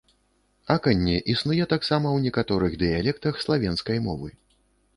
Аканне існуе таксама ў некаторых дыялектах славенскай мовы.